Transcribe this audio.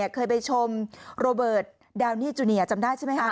เคยไปชมโรเบิร์ตดาวนี่จูเนียจำได้ใช่ไหมคะ